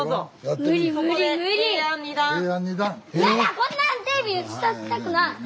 こんなんテレビに映させたくない。